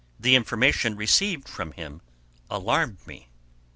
The information received from him alarmed me.